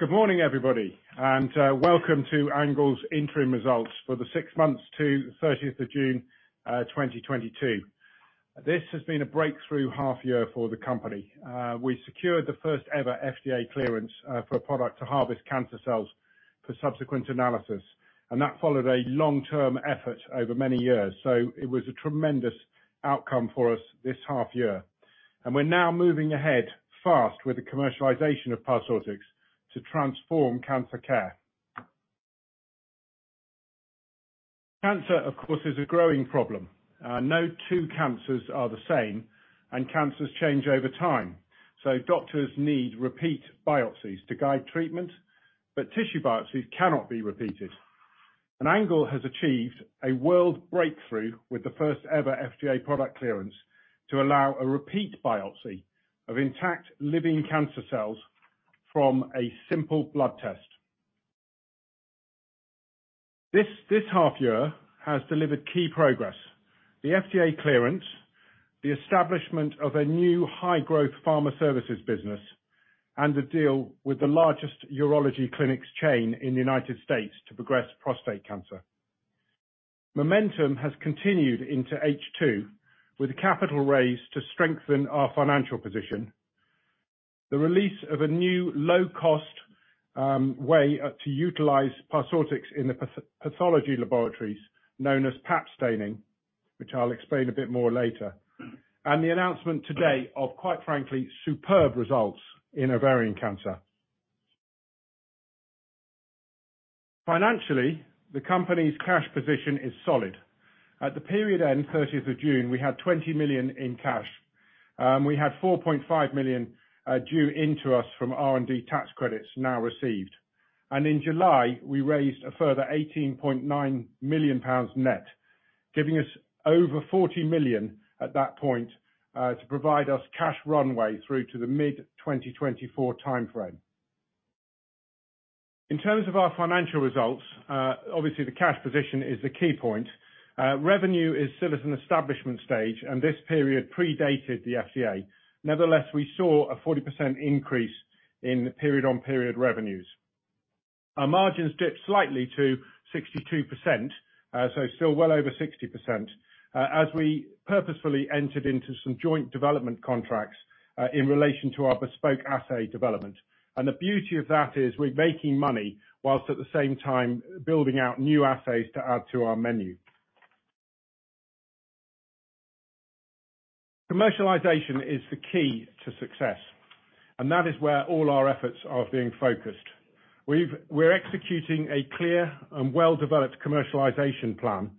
Good morning, everybody, and welcome to ANGLE's interim results for the six months to 30th of June 2022. This has been a breakthrough half year for the company. We secured the first ever FDA clearance for a product to harvest cancer cells for subsequent analysis, and that followed a long-term effort over many years, so it was a tremendous outcome for us this half year. We're now moving ahead fast with the commercialization of Parsortix to transform cancer care. Cancer, of course, is a growing problem. No two cancers are the same and cancers change over time, so doctors need repeat biopsies to guide treatment, but tissue biopsies cannot be repeated. ANGLE has achieved a world breakthrough with the first ever FDA product clearance to allow a repeat biopsy of intact living cancer cells from a simple blood test. This half year has delivered key progress. The FDA clearance, the establishment of a new high-growth pharma services business, and a deal with the largest urology clinics chain in the United States to progress prostate cancer. Momentum has continued into H2 with capital raised to strengthen our financial position. The release of a new low-cost way to utilize Parsortix in the pathology laboratories, known as Pap staining, which I'll explain a bit more later. The announcement today of, quite frankly, superb results in ovarian cancer. Financially, the company's cash position is solid. At the period end, thirtieth of June, we had 20 million in cash. We had 4.5 million due to us from R&D tax credits now received. In July, we raised a further 18.9 million pounds net, giving us over 40 million at that point, to provide us cash runway through to the mid-2024 timeframe. In terms of our financial results, obviously the cash position is the key point. Revenue is still at an establishment stage, and this period predated the FDA. Nevertheless, we saw a 40% increase in period-on-period revenues. Our margins dipped slightly to 62%, so still well over 60%, as we purposefully entered into some joint development contracts, in relation to our bespoke assay development. The beauty of that is we're making money whilst at the same time building out new assays to add to our menu. Commercialization is the key to success, and that is where all our efforts are being focused. We're executing a clear and well-developed commercialization plan,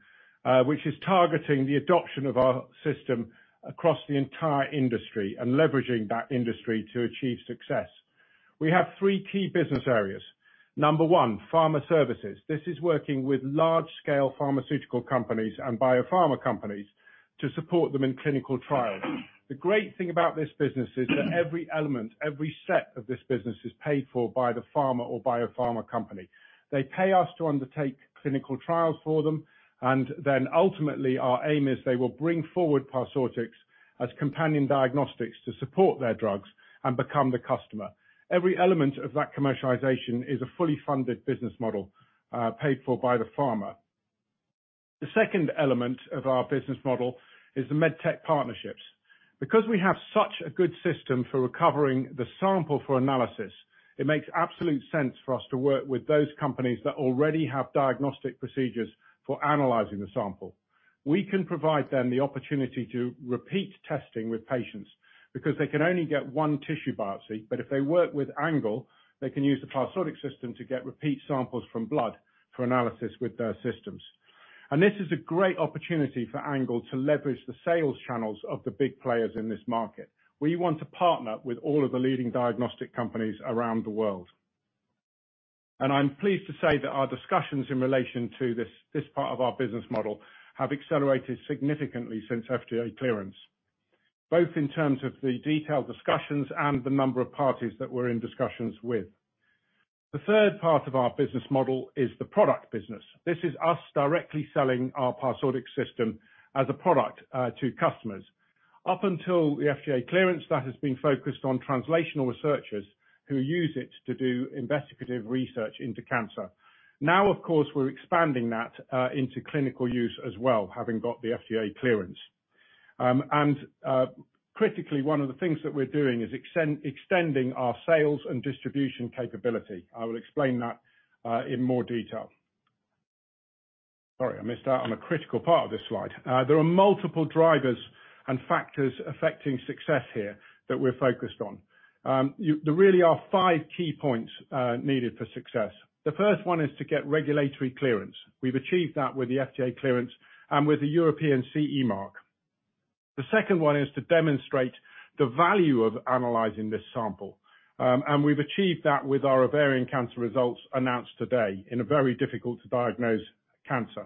which is targeting the adoption of our system across the entire industry and leveraging that industry to achieve success. We have three key business areas. Number one, pharma services. This is working with large-scale pharmaceutical companies and biopharma companies to support them in clinical trials. The great thing about this business is that every element, every step of this business is paid for by the pharma or biopharma company. They pay us to undertake clinical trials for them, and then ultimately, our aim is they will bring forward Parsortix as companion diagnostics to support their drugs and become the customer. Every element of that commercialization is a fully funded business model, paid for by the pharma. The second element of our business model is the med tech partnerships. Because we have such a good system for recovering the sample for analysis, it makes absolute sense for us to work with those companies that already have diagnostic procedures for analyzing the sample. We can provide them the opportunity to repeat testing with patients because they can only get one tissue biopsy. If they work with ANGLE, they can use the Parsortix system to get repeat samples from blood for analysis with their systems. This is a great opportunity for ANGLE to leverage the sales channels of the big players in this market. We want to partner with all of the leading diagnostic companies around the world. I'm pleased to say that our discussions in relation to this part of our business model have accelerated significantly since FDA clearance, both in terms of the detailed discussions and the number of parties that we're in discussions with. The third part of our business model is the product business. This is us directly selling our Parsortix system as a product to customers. Up until the FDA clearance, that has been focused on translational researchers who use it to do investigative research into cancer. Now, of course, we're expanding that into clinical use as well, having got the FDA clearance. Critically, one of the things that we're doing is extending our sales and distribution capability. I will explain that in more detail. Sorry, I missed out on a critical part of this slide. There are multiple drivers and factors affecting success here that we're focused on. There really are five key points needed for success. The first one is to get regulatory clearance. We've achieved that with the FDA clearance and with the European CE mark. The second one is to demonstrate the value of analyzing this sample. We've achieved that with our ovarian cancer results announced today in a very difficult-to-diagnose cancer.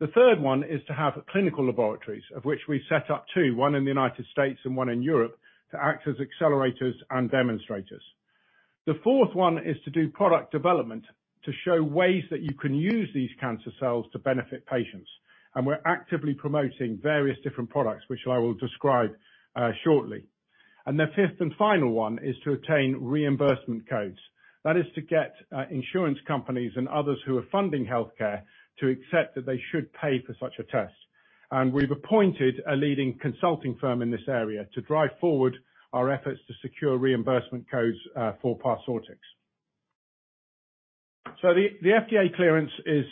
The third one is to have clinical laboratories, of which we set up two, one in the United States and one in Europe, to act as accelerators and demonstrators. The fourth one is to do product development to show ways that you can use these cancer cells to benefit patients. We're actively promoting various different products, which I will describe shortly. The fifth and final one is to attain reimbursement codes. That is to get insurance companies and others who are funding healthcare to accept that they should pay for such a test. We've appointed a leading consulting firm in this area to drive forward our efforts to secure reimbursement codes for Parsortix. The FDA clearance is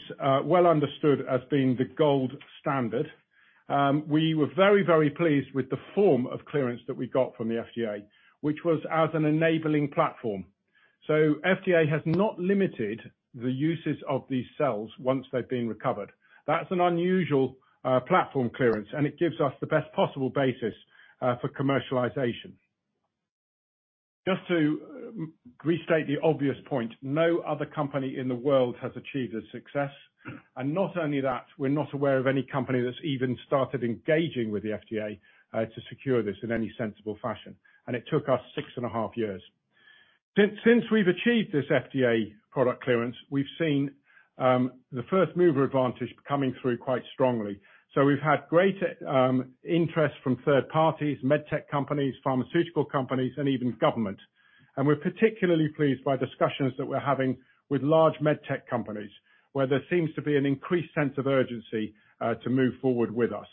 well understood as being the gold standard. We were very, very pleased with the form of clearance that we got from the FDA, which was as an enabling platform. FDA has not limited the uses of these cells once they've been recovered. That's an unusual platform clearance, and it gives us the best possible basis for commercialization. Just to restate the obvious point, no other company in the world has achieved this success. Not only that, we're not aware of any company that's even started engaging with the FDA to secure this in any sensible fashion. It took us six and a half years. Since we've achieved this FDA product clearance, we've seen the first mover advantage coming through quite strongly. We've had great interest from third parties, med tech companies, pharmaceutical companies, and even government. We're particularly pleased by discussions that we're having with large med tech companies, where there seems to be an increased sense of urgency to move forward with us.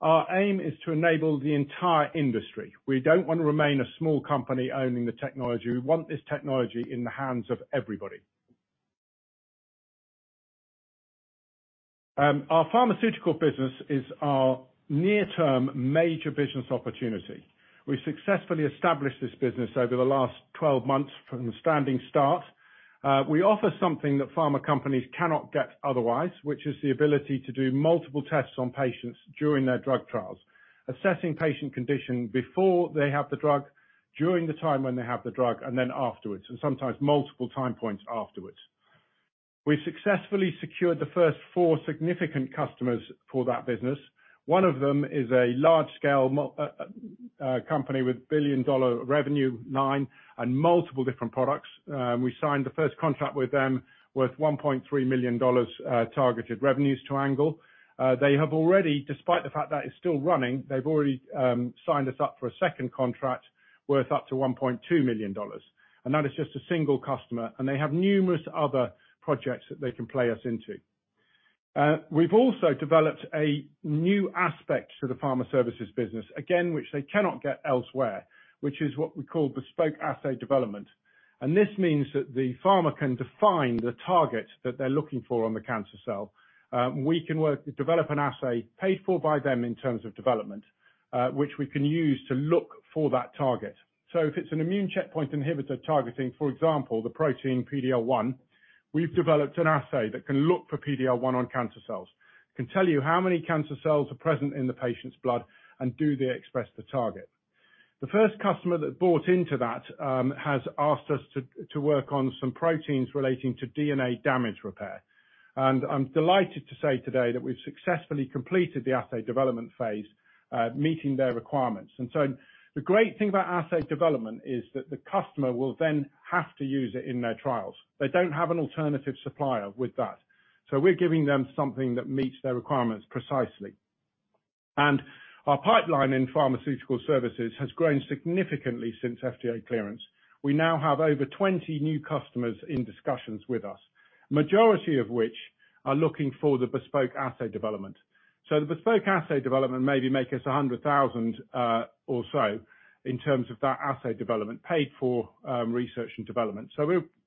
Our aim is to enable the entire industry. We don't want to remain a small company owning the technology. We want this technology in the hands of everybody. Our pharmaceutical business is our near-term major business opportunity. We successfully established this business over the last 12 months from a standing start. We offer something that pharma companies cannot get otherwise, which is the ability to do multiple tests on patients during their drug trials, assessing patient condition before they have the drug, during the time when they have the drug, and then afterwards, and sometimes multiple time points afterwards. We successfully secured the first four significant customers for that business. One of them is a large-scale company with billion-dollar revenue and multiple different products. We signed the first contract with them worth $1.3 million, targeted revenues to ANGLE. They have already, despite the fact that it's still running, signed us up for a second contract worth up to $1.2 million. That is just a single customer, and they have numerous other projects that they can plug us into. We've also developed a new aspect to the pharma services business, again, which they cannot get elsewhere, which is what we call bespoke assay development. This means that the pharma can define the target that they're looking for on the cancer cell. We can work to develop an assay paid for by them in terms of development, which we can use to look for that target. If it's an immune checkpoint inhibitor targeting, for example, the protein PD-L1, we've developed an assay that can look for PD-L1 on cancer cells. It can tell you how many cancer cells are present in the patient's blood and do they express the target. The first customer that bought into that has asked us to work on some proteins relating to DNA damage repair. I'm delighted to say today that we've successfully completed the assay development phase, meeting their requirements. The great thing about assay development is that the customer will then have to use it in their trials. They don't have an alternative supplier with that. We're giving them something that meets their requirements precisely. Our pipeline in pharmaceutical services has grown significantly since FDA clearance. We now have over 20 new customers in discussions with us, majority of which are looking for the bespoke assay development. The bespoke assay development maybe make us 100 thousand, or so in terms of that assay development paid for, research and development.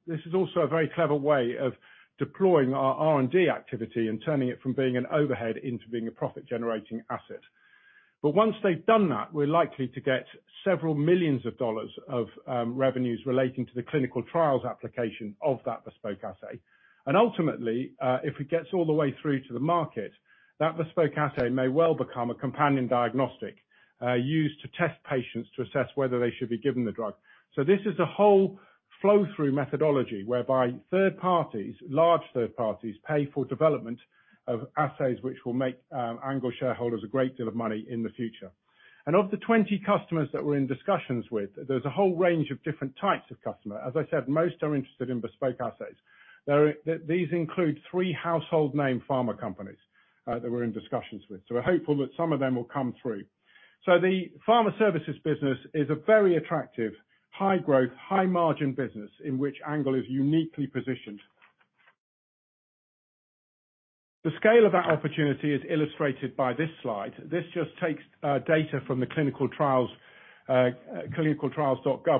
This is also a very clever way of deploying our R&D activity and turning it from being an overhead into being a profit-generating asset. Once they've done that, we're likely to get several million dollars of revenues relating to the clinical trials application of that bespoke assay. Ultimately, if it gets all the way through to the market, that bespoke assay may well become a companion diagnostic, used to test patients to assess whether they should be given the drug. This is a whole flow-through methodology whereby third parties, large third parties, pay for development of assays, which will make ANGLE shareholders a great deal of money in the future. Of the 20 customers that we're in discussions with, there's a whole range of different types of customer. As I said, most are interested in bespoke assays. These include three household name pharma companies that we're in discussions with. We're hopeful that some of them will come through. The pharma services business is a very attractive, high-growth, high-margin business in which ANGLE is uniquely positioned. The scale of that opportunity is illustrated by this slide. This just takes data from the clinicaltrials.gov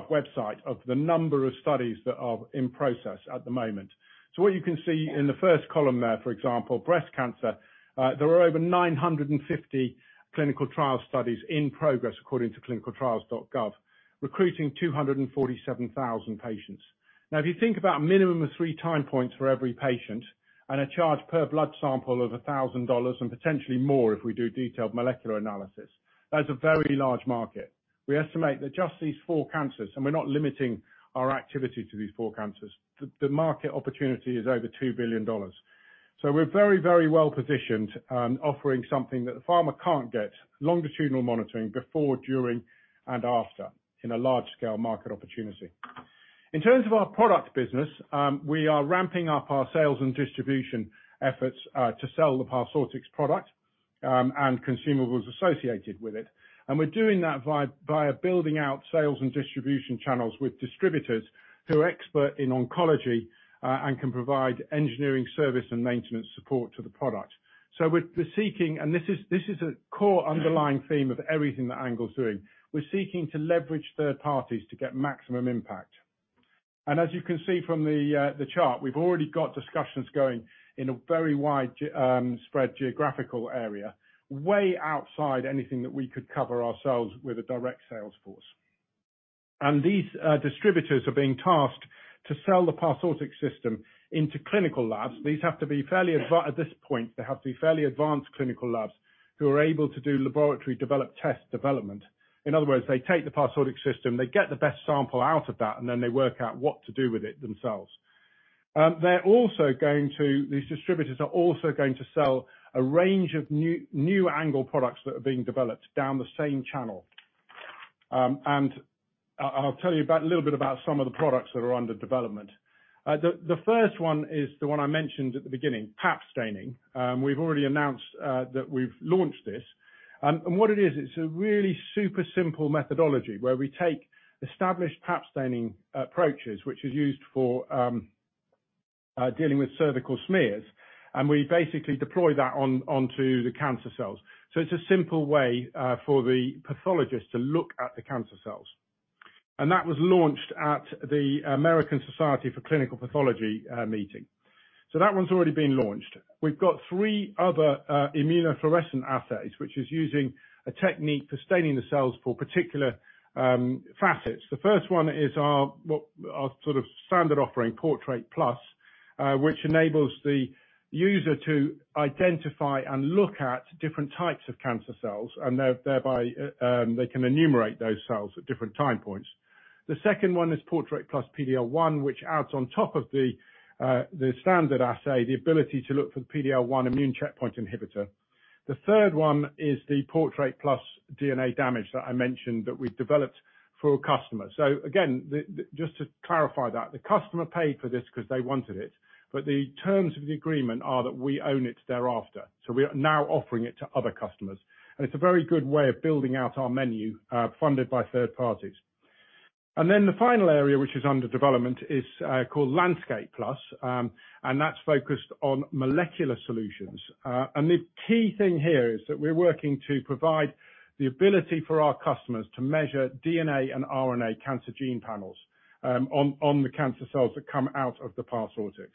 website of the number of studies that are in process at the moment. What you can see in the first column there, for example, breast cancer, there are over 950 clinical trial studies in progress according to clinicaltrials.gov, recruiting 247,000 patients. Now, if you think about minimum of three time points for every patient and a charge per blood sample of $1,000 and potentially more if we do detailed molecular analysis, that's a very large market. We estimate that just these four cancers, and we're not limiting our activity to these four cancers, the market opportunity is over $2 billion. We're very, very well-positioned, offering something that the pharma can't get, longitudinal monitoring before, during, and after in a large-scale market opportunity. In terms of our product business, we are ramping up our sales and distribution efforts to sell the Parsortix product and consumables associated with it. We're doing that by building out sales and distribution channels with distributors who are expert in oncology and can provide engineering service and maintenance support to the product. We're seeking and this is a core underlying theme of everything that ANGLE's doing. We're seeking to leverage third parties to get maximum impact. As you can see from the chart, we've already got discussions going in a very wide spread geographical area, way outside anything that we could cover ourselves with a direct sales force. These distributors are being tasked to sell the Parsortix system into clinical labs. These have to be fairly advanced clinical labs at this point who are able to do laboratory developed test development. In other words, they take the Parsortix system, they get the best sample out of that, and then they work out what to do with it themselves. They're also going to sell a range of new ANGLE products that are being developed down the same channel. I'll tell you little bit about some of the products that are under development. The first one is the one I mentioned at the beginning, Pap staining. We've already announced that we've launched this. What it is, it's a really super simple methodology where we take established Pap staining approaches, which is used for dealing with cervical smears, and we basically deploy that on, onto the cancer cells. It's a simple way for the pathologist to look at the cancer cells. That was launched at the American Society for Clinical Pathology meeting. That one's already been launched. We've got three other immunofluorescent assays, which is using a technique for staining the cells for particular facets. The first one is our, well, our sort of standard offering, Portrait+, which enables the user to identify and look at different types of cancer cells, and thereby they can enumerate those cells at different time points. The second one is Portrait+ PD-L1, which adds on top of the standard assay, the ability to look for the PD-L1 immune checkpoint inhibitor. The third one is the Portrait+ DNA damage that I mentioned that we've developed for a customer. Again, just to clarify that, the customer paid for this because they wanted it. The terms of the agreement are that we own it thereafter. We are now offering it to other customers. It's a very good way of building out our menu, funded by third parties. Then the final area which is under development is called Landscape+, and that's focused on molecular solutions. The key thing here is that we're working to provide the ability for our customers to measure DNA and RNA cancer gene panels, on the cancer cells that come out of the Parsortix.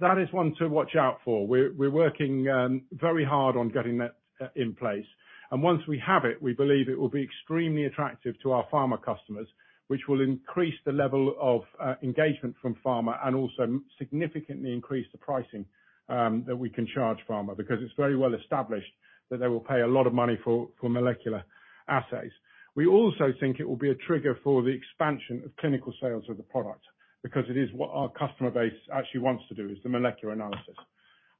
That is one to watch out for. We're working very hard on getting that in place. Once we have it, we believe it will be extremely attractive to our pharma customers, which will increase the level of engagement from pharma and also significantly increase the pricing that we can charge pharma, because it's very well established that they will pay a lot of money for molecular assays. We also think it will be a trigger for the expansion of clinical sales of the product because it is what our customer base actually wants to do, is the molecular analysis.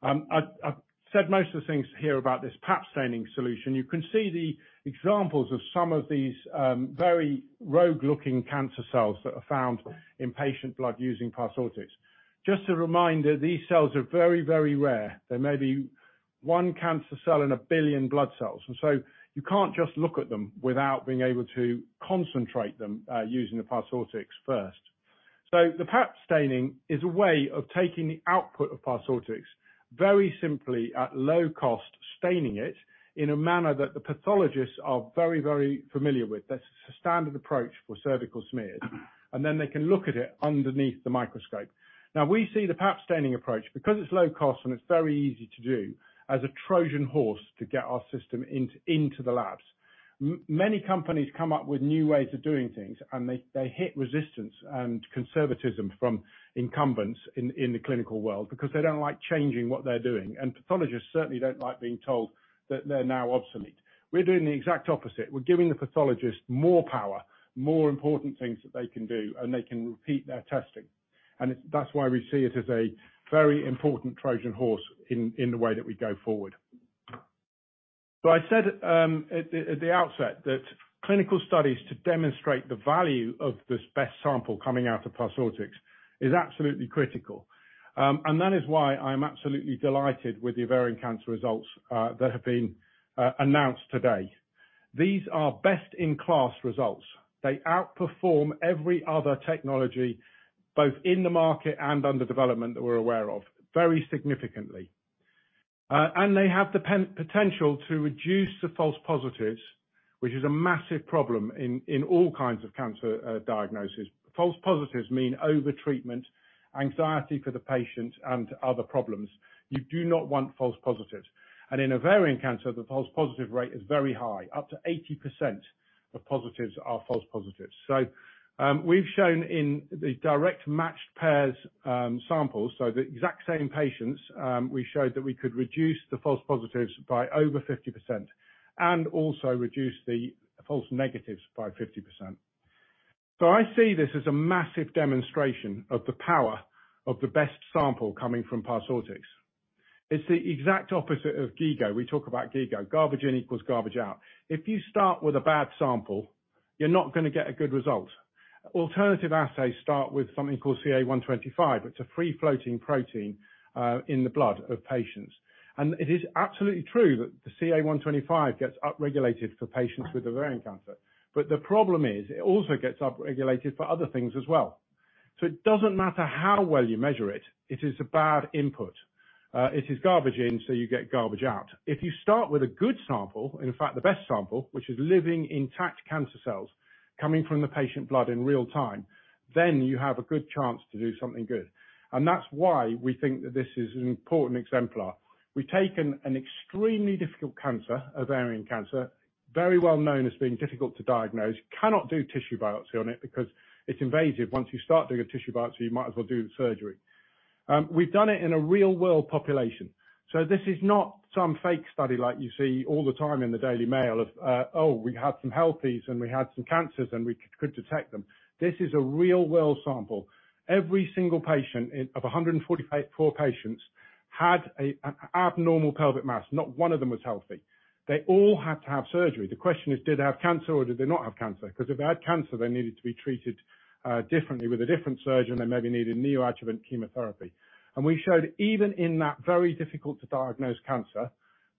I've said most of the things here about this Pap staining solution. You can see the examples of some of these very rogue-looking cancer cells that are found in patient blood using Parsortix. Just a reminder, these cells are very, very rare. There may be one cancer cell in a billion blood cells. You can't just look at them without being able to concentrate them using the Parsortix first. The Pap staining is a way of taking the output of Parsortix very simply at low cost, staining it in a manner that the pathologists are very, very familiar with. That's a standard approach for cervical smears. They can look at it underneath the microscope. Now, we see the Pap staining approach, because it's low cost and it's very easy to do, as a Trojan horse to get our system into the labs. Many companies come up with new ways of doing things, and they hit resistance and conservatism from incumbents in the clinical world because they don't like changing what they're doing. Pathologists certainly don't like being told that they're now obsolete. We're doing the exact opposite. We're giving the pathologists more power, more important things that they can do, and they can repeat their testing. That's why we see it as a very important Trojan horse in the way that we go forward. I said at the outset that clinical studies to demonstrate the value of this BEST sample coming out of Parsortix is absolutely critical. That is why I'm absolutely delighted with the ovarian cancer results that have been announced today. These are best-in-class results. They outperform every other technology, both in the market and under development, that we're aware of, very significantly. They have the potential to reduce the false positives, which is a massive problem in all kinds of cancer diagnosis. False positives mean over-treatment, anxiety for the patient, and other problems. You do not want false positives. In ovarian cancer, the false positive rate is very high. Up to 80% of positives are false positives. We've shown in the direct matched pairs samples, so the exact same patients, we showed that we could reduce the false positives by over 50% and also reduce the false negatives by 50%. I see this as a massive demonstration of the power of the BEST sample coming from Parsortix. It is the exact opposite of GIGO. We talk about GIGO, garbage in equals garbage out. If you start with a bad sample, you're not gonna get a good result. Alternative assays start with something called CA-125. It is a free-floating protein in the blood of patients. It is absolutely true that the CA-125 gets upregulated for patients with ovarian cancer. But the problem is, it also gets upregulated for other things as well. It doesn't matter how well you measure it is a bad input. It is garbage in, so you get garbage out. If you start with a good sample, in fact the best sample, which is living intact cancer cells coming from the patient blood in real time, then you have a good chance to do something good. That's why we think that this is an important exemplar. We've taken an extremely difficult cancer, ovarian cancer, very well known as being difficult to diagnose. Cannot do tissue biopsy on it because it's invasive. Once you start doing a tissue biopsy, you might as well do the surgery. We've done it in a real-world population. This is not some fake study like you see all the time in the Daily Mail of, oh, we had some healthies, and we had some cancers, and we could detect them. This is a real-world sample. Every single patient of 144 patients had an abnormal pelvic mass. Not one of them was healthy. They all had to have surgery. The question is, did they have cancer or did they not have cancer? Because if they had cancer, they needed to be treated differently with a different surgeon. They maybe needed neoadjuvant chemotherapy. We showed even in that very difficult-to-diagnose cancer,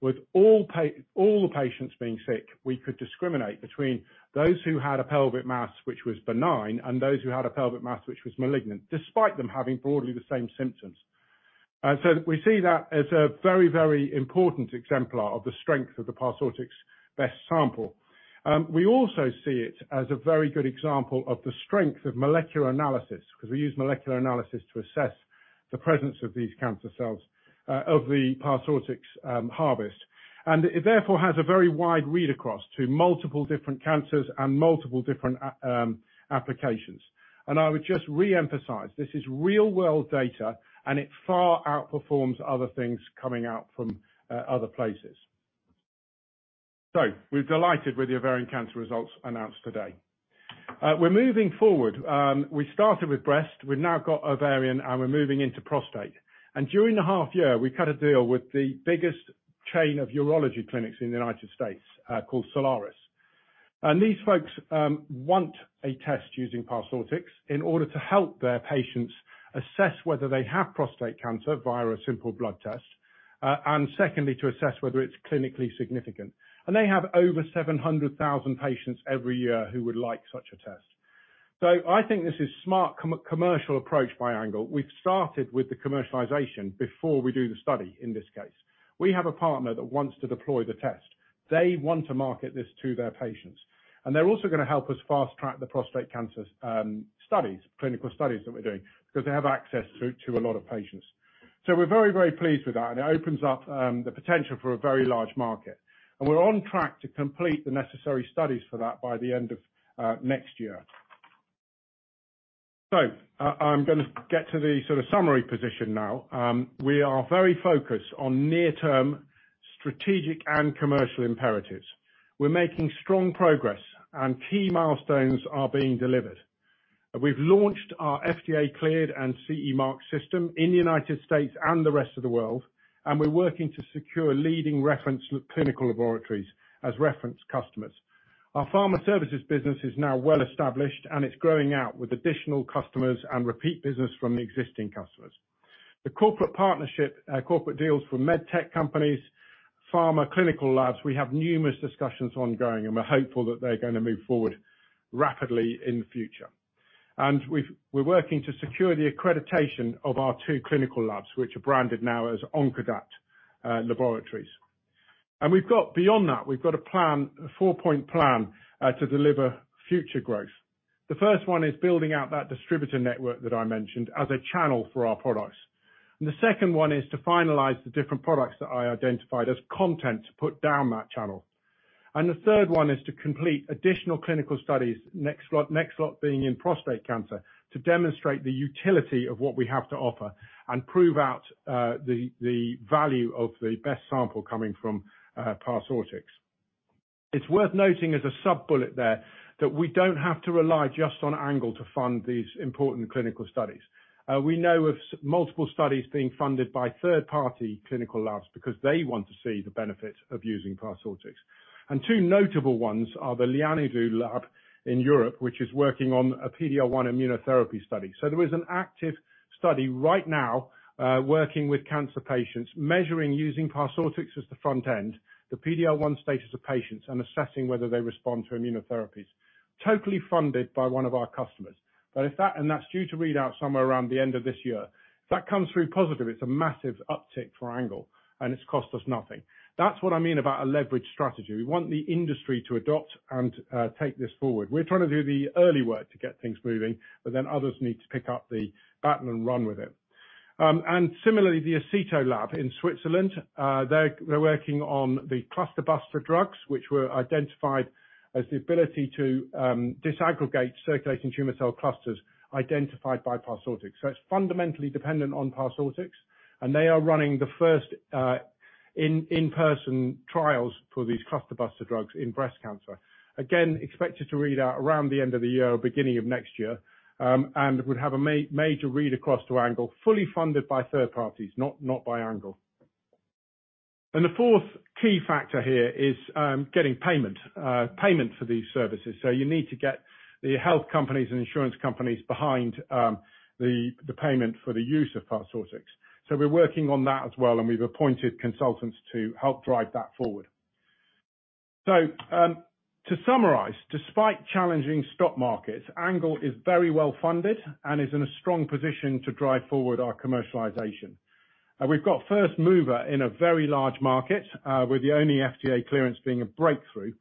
with all the patients being sick, we could discriminate between those who had a pelvic mass which was benign and those who had a pelvic mass which was malignant, despite them having broadly the same symptoms. We see that as a very, very important exemplar of the strength of the Parsortix BEST sample. We also see it as a very good example of the strength of molecular analysis, because we use molecular analysis to assess the presence of these cancer cells of the Parsortix harvest. It therefore has a very wide read across to multiple different cancers and multiple different applications. I would just reemphasize, this is real world data, and it far outperforms other things coming out from other places. We're delighted with the ovarian cancer results announced today. We're moving forward. We started with breast, we've now got ovarian, and we're moving into prostate. During the half year, we cut a deal with the biggest chain of urology clinics in the United States, called Solaris Health. These folks want a test using Parsortix in order to help their patients assess whether they have prostate cancer via a simple blood test, and secondly, to assess whether it's clinically significant. They have over 700,000 patients every year who would like such a test. I think this is smart commercial approach by ANGLE. We've started with the commercialization before we do the study, in this case. We have a partner that wants to deploy the test. They want to market this to their patients. They're also gonna help us fast-track the prostate cancer studies, clinical studies that we're doing, because they have access through to a lot of patients. We're very, very pleased with that, and it opens up the potential for a very large market. We're on track to complete the necessary studies for that by the end of next year. I'm gonna get to the sort of summary position now. We are very focused on near-term strategic and commercial imperatives. We're making strong progress and key milestones are being delivered. We've launched our FDA-cleared and CE mark system in the United States and the rest of the world, and we're working to secure leading reference clinical laboratories as reference customers. Our pharma services business is now well established, and it's growing out with additional customers and repeat business from the existing customers. The corporate partnership, corporate deals for med tech companies, pharma, clinical labs, we have numerous discussions ongoing, and we're hopeful that they're gonna move forward rapidly in the future. We're working to secure the accreditation of our two clinical labs, which are branded now as Oncodux Laboratories. We've got a plan, a four-point plan, to deliver future growth. The first one is building out that distributor network that I mentioned as a channel for our products. The second one is to finalize the different products that I identified as content to put down that channel. The third one is to complete additional clinical studies, next slot being in prostate cancer, to demonstrate the utility of what we have to offer and prove out the value of the BEST sample coming from Parsortix. It's worth noting as a sub-bullet there that we don't have to rely just on ANGLE to fund these important clinical studies. We know of multiple studies being funded by third-party clinical labs because they want to see the benefit of using Parsortix. Two notable ones are the Lianidou Lab in Europe, which is working on a PD-L1 immunotherapy study. There is an active study right now, working with cancer patients, measuring using Parsortix as the front end, the PD-L1 status of patients, and assessing whether they respond to immunotherapies, totally funded by one of our customers. If that, and that's due to read out somewhere around the end of this year. If that comes through positive, it's a massive uptick for ANGLE, and it's cost us nothing. That's what I mean about a leveraged strategy. We want the industry to adopt and take this forward. We're trying to do the early work to get things moving, but then others need to pick up the baton and run with it. Similarly, the Aceto Lab in Switzerland, they're working on the cluster buster drugs, which were identified as the ability to disaggregate circulating tumor cell clusters identified by Parsortix. It's fundamentally dependent on Parsortix, and they are running the first-in-human trials for these cluster buster drugs in breast cancer. Again, expected to read out around the end of the year or beginning of next year. Would have a major read across to ANGLE, fully funded by third parties, not by ANGLE. The fourth key factor here is getting payment. Payment for these services. You need to get the health companies and insurance companies behind the payment for the use of Parsortix. We're working on that as well, and we've appointed consultants to help drive that forward. To summarize, despite challenging stock markets, CelLBxHealth is very well-funded and is in a strong position to drive forward our commercialization. We've got first mover in a very large market, with the only FDA clearance being a breakthrough,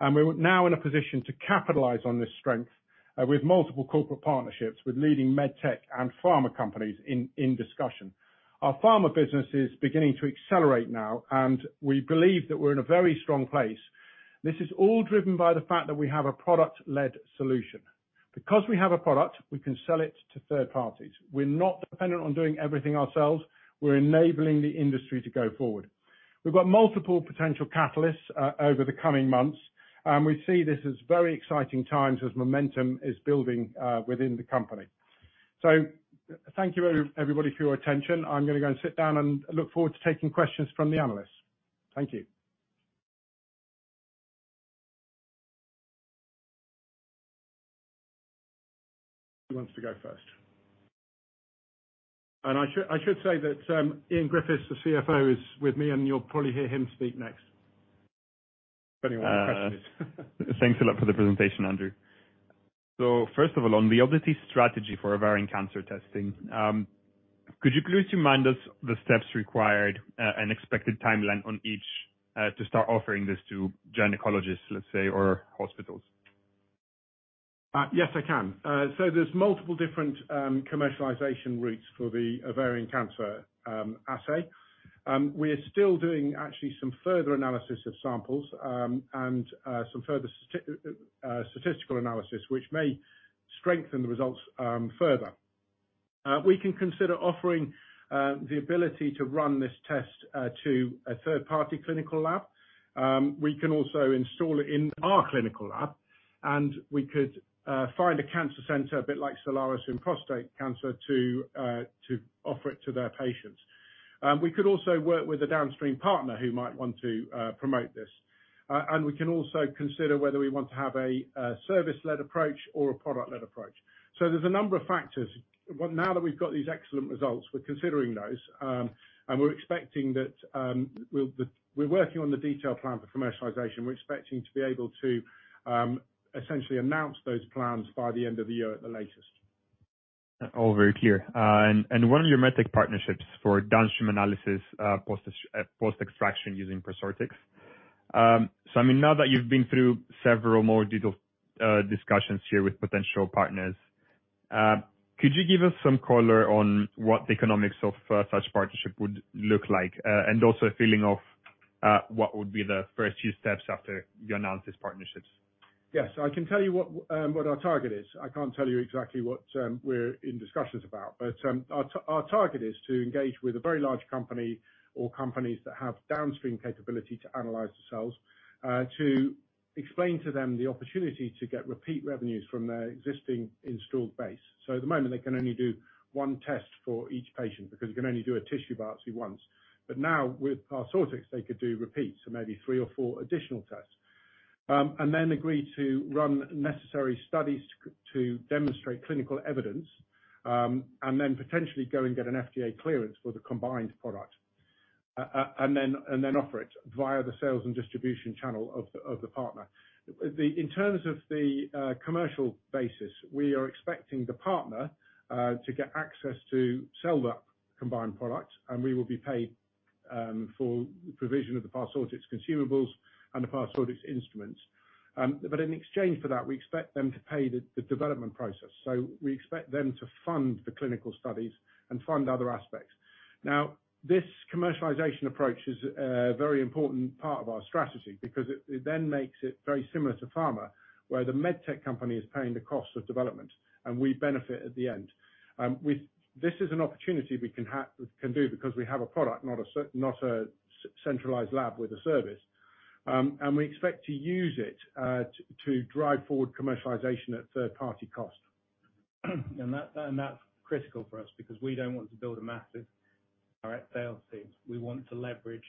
and we're now in a position to capitalize on this strength, with multiple corporate partnerships with leading med tech and pharma companies in discussion. Our pharma business is beginning to accelerate now, and we believe that we're in a very strong place. This is all driven by the fact that we have a product-led solution. Because we have a product, we can sell it to third parties. We're not dependent on doing everything ourselves. We're enabling the industry to go forward. We've got multiple potential catalysts over the coming months, and we see this as very exciting times as momentum is building within the company. Thank you everybody for your attention. I'm gonna go and sit down, and I look forward to taking questions from the analysts. Thank you. Who wants to go first? I should say that Ian Griffiths, the CFO, is with me, and you'll probably hear him speak next, depending on what the question is. Thanks a lot for the presentation, Andrew. First of all, on the go-to-market strategy for ovarian cancer testing, could you please remind us the steps required, and expected timeline on each, to start offering this to gynecologists, let's say, or hospitals? Yes, I can. There's multiple different commercialization routes for the ovarian cancer assay. We are still doing actually some further analysis of samples, and some further statistical analysis, which may strengthen the results, further. We can consider offering the ability to run this test to a third-party clinical lab. We can also install it in our clinical lab, and we could find a cancer center, a bit like Solaris Health in prostate cancer to offer it to their patients. We could also work with a downstream partner who might want to promote this. We can also consider whether we want to have a service-led approach or a product-led approach. There's a number of factors. Now that we've got these excellent results, we're considering those, and we're working on the detailed plan for commercialization. We're expecting to be able to essentially announce those plans by the end of the year at the latest. All very clear. One of your med tech partnerships for downstream analysis, post extraction using Parsortix. I mean, now that you've been through several more detailed discussions here with potential partners, could you give us some color on what the economics of such partnership would look like? Also a feeling of what would be the first few steps after you announce these partnerships. Yes. I can tell you what our target is. I can't tell you exactly what we're in discussions about. Our target is to engage with a very large company or companies that have downstream capability to analyze the cells to explain to them the opportunity to get repeat revenues from their existing installed base. At the moment, they can only do one test for each patient because you can only do a tissue biopsy once. Now with Parsortix, they could do repeats, so maybe three or four additional tests. And then agree to run necessary studies to demonstrate clinical evidence, and then potentially go and get an FDA clearance for the combined product. And then offer it via the sales and distribution channel of the partner. In terms of the commercial basis, we are expecting the partner to get access to sell that combined product, and we will be paid for provision of the Parsortix consumables and the Parsortix instruments. In exchange for that, we expect them to pay the development process. We expect them to fund the clinical studies and fund other aspects. This commercialization approach is a very important part of our strategy because it then makes it very similar to pharma, where the med tech company is paying the cost of development, and we benefit at the end. This is an opportunity we can do because we have a product, not a centralized lab with a service. We expect to use it to drive forward commercialization at third-party cost. That's critical for us because we don't want to build a massive direct sales team. We want to leverage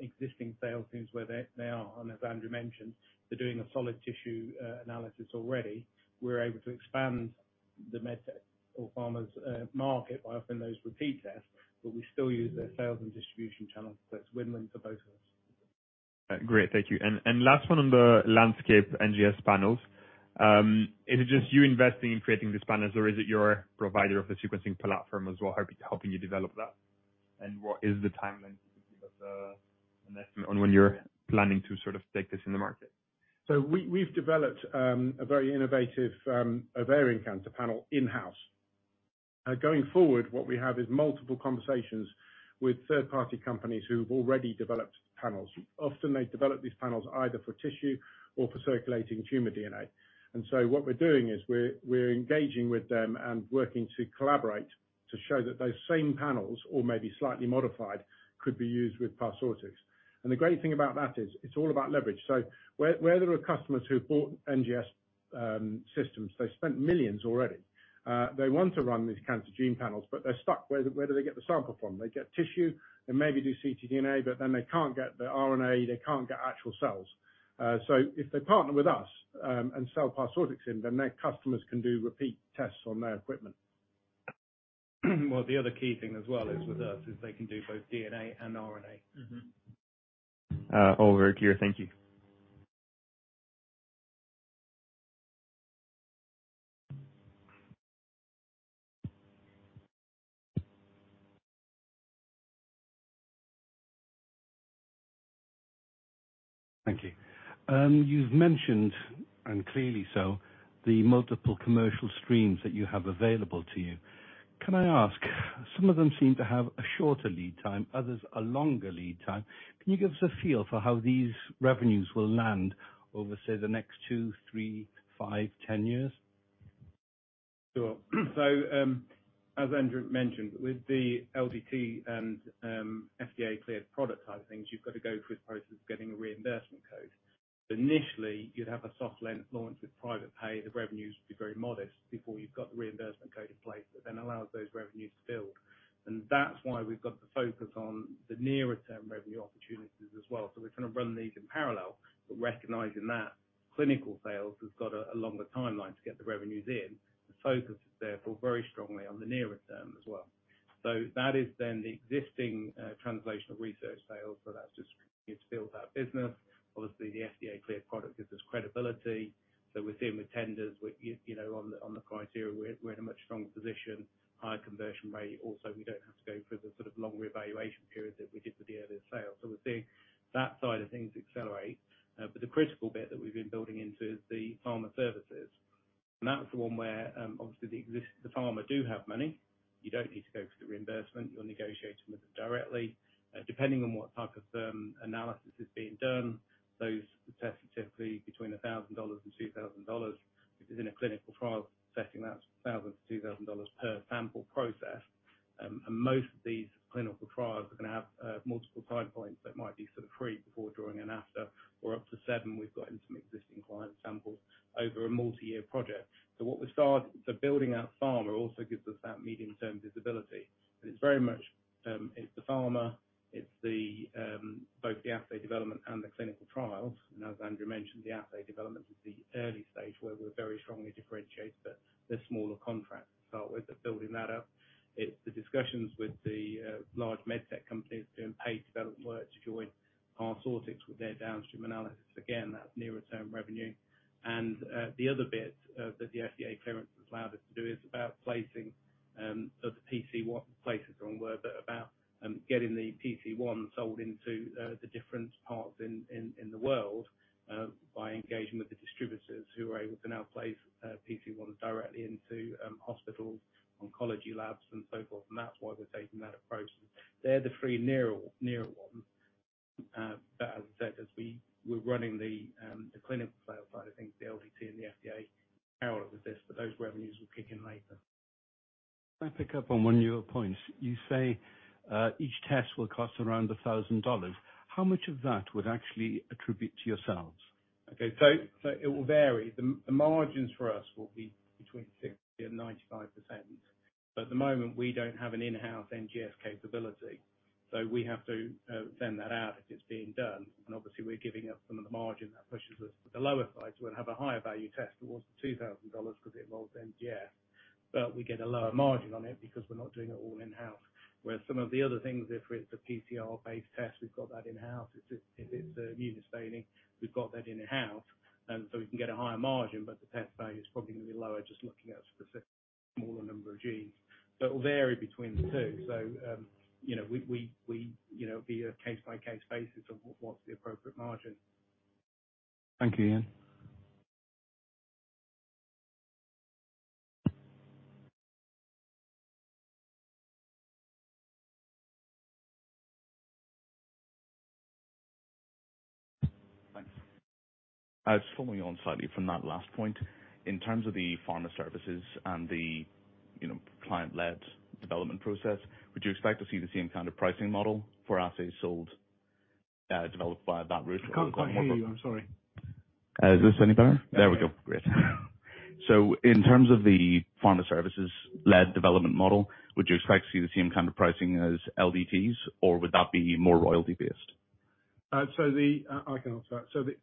existing sales teams where they are. As Andrew mentioned, they're doing a solid tissue analysis already. We're able to expand the med tech or pharma's market by offering those repeat tests, but we still use their sales and distribution channel. It's win-win for both of us. Great. Thank you. Last one on the Landscape NGS panels. Is it just you investing in creating these panels, or is it your provider of the sequencing platform as well helping you develop that? What is the timeline that you give us an estimate on when you're planning to sort of take this to the market? We've developed a very innovative ovarian cancer panel in-house. Going forward, what we have is multiple conversations with third-party companies who've already developed panels. Often they develop these panels either for tissue or for circulating tumor DNA. What we're doing is we're engaging with them and working to collaborate to show that those same panels or maybe slightly modified could be used with Parsortix. The great thing about that is it's all about leverage. Where there are customers who bought NGS systems, they've spent millions already. They want to run these cancer gene panels, but they're stuck. Where do they get the sample from? They get tissue, they maybe do ctDNA, but then they can't get the RNA, they can't get actual cells. If they partner with us, and sell Parsortix in, then their customers can do repeat tests on their equipment. Well, the other key thing as well is with us, is they can do both DNA and RNA. Mm-hmm. All very clear. Thank you. Thank you. You've mentioned, and clearly so, the multiple commercial streams that you have available to you. Can I ask, some of them seem to have a shorter lead time, others a longer lead time. Can you give us a feel for how these revenues will land over, say, the next two, three, five, 10 years? Sure. As Andrew mentioned, with the LDT and FDA-cleared product type things, you've got to go through the process of getting a reimbursement code. Initially, you'd have a soft launch with private pay. The revenues would be very modest before you've got the reimbursement code in place that then allows those revenues to build. That's why we've got the focus on the nearer term revenue opportunities as well. We kind of run these in parallel, but recognizing that clinical sales has got a longer timeline to get the revenues in. The focus is therefore very strongly on the nearer term as well. That is then the existing translational research sales, so that's just it builds our business. Obviously, the FDA-cleared product gives us credibility. We're seeing with tenders, on the criteria, we're in a much stronger position, higher conversion rate. Also, we don't have to go through the sort of longer evaluation period that we did with the earlier sales. We're seeing that side of things accelerate. The critical bit that we've been building into is the pharma services. That's the one where, obviously the pharma do have money. You don't need to go through reimbursement. You're negotiating with them directly. Depending on what type of analysis is being done, those tests are typically between $1,000 and $2,000. If it's in a clinical trial setting, that's $1,000-$2,000 per sample processed. Most of these clinical trials are gonna have multiple time points that might be sort of pre, before, during and after, or up to seven. We've got in some existing client samples over a multi-year project. Building out pharma also gives us that medium-term visibility. It's very much, it's the pharma, both the assay development and the clinical trials. As Andrew mentioned, the assay development is the early stage where we're very strongly differentiated, but they're smaller contracts. We're building that up. It's the discussions with the large med tech companies doing paid development work to join Parsortix with their downstream analysis. Again, that nearer term revenue. The other bit that the FDA clearance has allowed us to do is about placing the PC1 places on board, but about getting the PC1 sold into the different parts in the world by engaging with the distributors who are able to now place PC1 directly into hospitals, oncology labs and so forth. That's why we're taking that approach. They're the three nearer ones. But as I said, as we're running the clinical sales side of things, the LDT and the FDA parallel with this, but those revenues will kick in later. Can I pick up on one of your points? You say, each test will cost around $1,000. How much of that would actually attribute to your sales? Okay. It will vary. The margins for us will be between 60% and 95%. But at the moment, we don't have an in-house NGS capability, so we have to send that out if it's being done. Obviously, we're giving up some of the margin that pushes us to the lower side. We'll have a higher value test towards the $2,000 'cause it involves NGS, but we get a lower margin on it because we're not doing it all in-house. Whereas some of the other things, if it's a PCR-based test, we've got that in-house. If it's immunostaining, we've got that in-house, so we can get a higher margin, but the test value is probably gonna be lower just looking at a specific smaller number of genes. It will vary between the two. You know, we'll be on a case-by-case basis on what's the appropriate margin. Thank you, Ian. Thanks. Just following on slightly from that last point. In terms of the pharma services and the, you know, client-led development process, would you expect to see the same kind of pricing model for assays sold, developed via that route or- I can't quite hear you. I'm sorry. Is this any better? There we go. Great. In terms of the pharma services-led development model, would you expect to see the same kind of pricing as LDTs or would that be more royalty-based? I can answer that.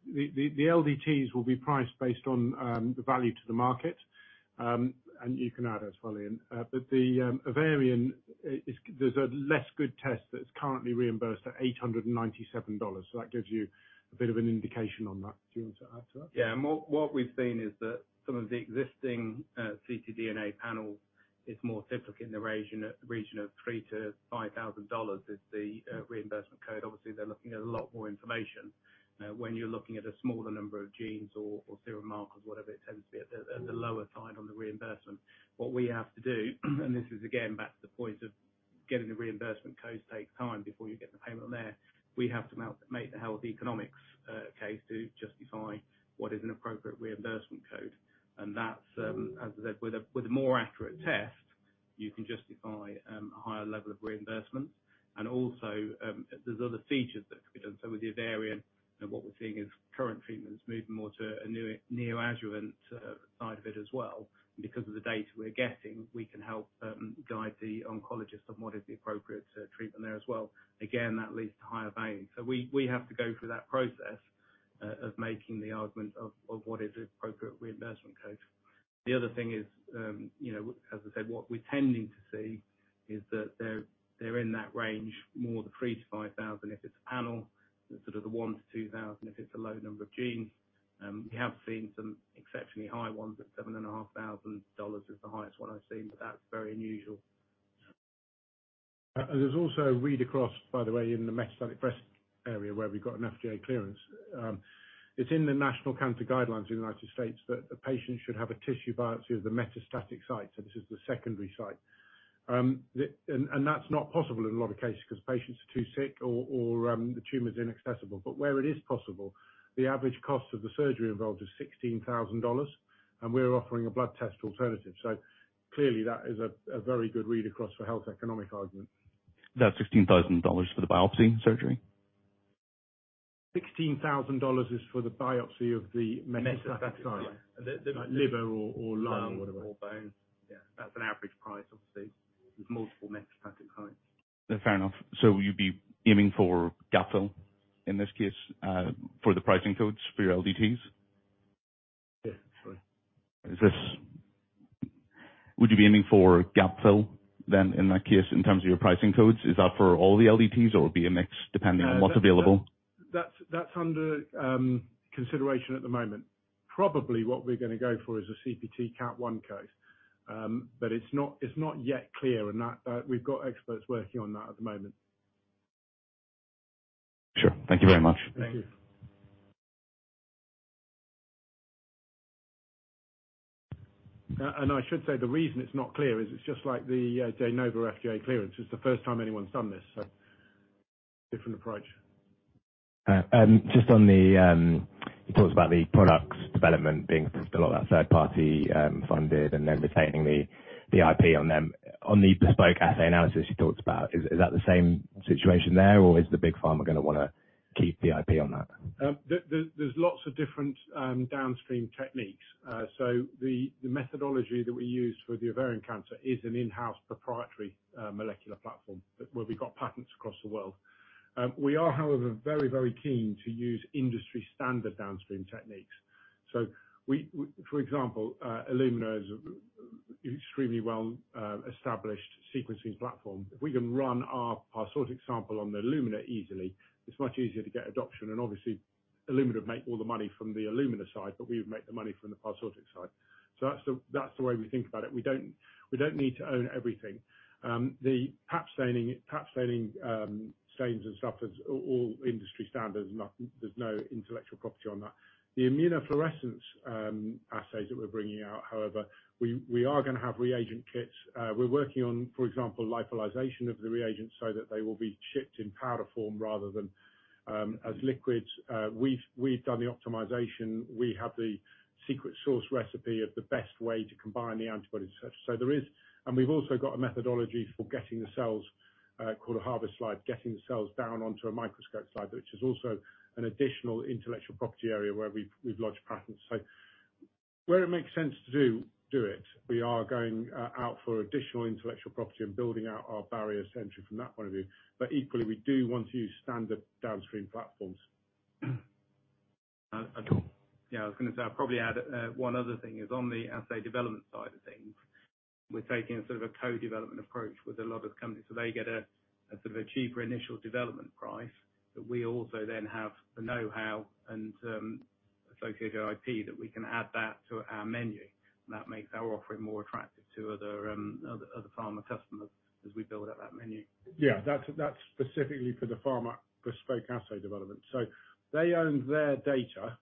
The LDTs will be priced based on the value to the market. You can add as well, Ian. The ovarian. There's a less good test that's currently reimbursed at $897. That gives you a bit of an indication on that. Do you want to add to that? Yeah. What we've seen is that some of the existing ctDNA panel is more typically in the region of $3,000-$5,000 is the reimbursement code. Obviously, they're looking at a lot more information. When you're looking at a smaller number of genes or serum markers, whatever it tends to be at the lower side on the reimbursement. What we have to do, and this is again back to the point of getting the reimbursement code takes time before you get the payment on there. We have to make the health economics case to justify what is an appropriate reimbursement code. That's, as I said, with a more accurate test, you can justify a higher level of reimbursement. Also, there's other features that could be done. With the ovarian, you know, what we're seeing is current treatments moving more to a neoadjuvant side of it as well. Because of the data we're getting, we can help guide the oncologist on what is the appropriate treatment there as well. Again, that leads to higher value. We have to go through that process of making the argument of what is the appropriate reimbursement code. The other thing is, you know, as I said, what we're tending to see is that they're in that range more the $3,000-$5,000 if it's panel. Sort of the $1,000-$2,000 if it's a low number of genes. We have seen some exceptionally high ones at $7,500 is the highest one I've seen, but that's very unusual. There's also read-across by the way, in the metastatic breast area where we've got an FDA clearance. It's in the national cancer guidelines in the United States that a patient should have a tissue biopsy of the metastatic site. This is the secondary site. That's not possible in a lot of cases 'cause patients are too sick or the tumor's inaccessible. Where it is possible, the average cost of the surgery involved is $16,000, and we're offering a blood test alternative. Clearly that is a very good read-across for health economic argument. That's $16,000 for the biopsy surgery? $16,000 is for the biopsy of the metastatic site. Metastatic site. Like liver or lung, whatever. Lung or bone. Yeah. That's an average price, obviously. There's multiple metastatic sites. Fair enough. You'd be aiming for gapfill in this case, for the pricing codes for your LDTs? Yeah, sorry. Would you be aiming for gapfill then in that case, in terms of your pricing codes? Is that for all the LDTs or it would be a mix depending on what's available? No, that's under consideration at the moment. Probably what we're gonna go for is a CPT Category I code. It's not yet clear and we've got experts working on that at the moment. Sure. Thank you very much. Thank you. Thank you. I should say the reason it's not clear is it's just like the De Novo FDA clearance. It's the first time anyone's done this, so different approach. Just on the you talked about the products development being a lot of that third party funded and then retaining the IP on them. On the bespoke assay analysis you talked about, is that the same situation there or is the big pharma gonna wanna keep the IP on that? There's lots of different downstream techniques. So the methodology that we use for the ovarian cancer is an in-house proprietary molecular platform, but where we've got patents across the world. We are however very keen to use industry-standard downstream techniques. We, for example, Illumina is extremely well established sequencing platform. If we can run our Parsortix sample on the Illumina easily, it's much easier to get adoption and obviously Illumina make all the money from the Illumina side, but we would make the money from the Parsortix side. That's the way we think about it. We don't need to own everything. The Pap staining, stains and stuff is all industry standard. There's no intellectual property on that. The immunofluorescence assays that we're bringing out, however, we are gonna have reagent kits. We're working on, for example, lyophilization of the reagents so that they will be shipped in powder form rather than as liquids. We've done the optimization. We have the secret sauce recipe of the best way to combine the antibodies, etc. There is. We've also got a methodology for getting the cells, called a CellKeep Slide, getting the cells down onto a microscope slide, which is also an additional intellectual property area where we've lodged patents. Where it makes sense to do it. We are going out for additional intellectual property and building out our barrier essentially from that point of view. Equally we do want to use standard downstream platforms. I do. Yeah, I was gonna say I'd probably add one other thing is on the assay development side of things, we're taking a sort of a co-development approach with a lot of companies. So they get a sort of a cheaper initial development price that we also then have the know-how and associated IP that we can add that to our menu. That makes our offering more attractive to other pharma customers as we build out that menu. Yeah. That's specifically for the pharma bespoke assay development. They own their data,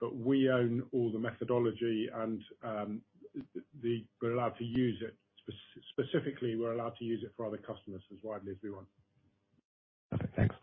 but we own all the methodology and we're allowed to use it. Specifically, we're allowed to use it for other customers as widely as we want. Okay, thanks.